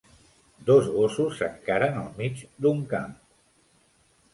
Dos gossos s'encaren al mig d'un camp